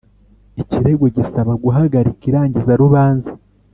Ikirego gisaba guhagarika irangizarubanza